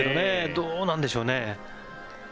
どうなんでしょうね？